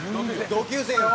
「同級生よ。